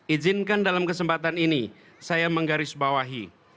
izinkan dalam kesempatan ini saya menggaris bawahi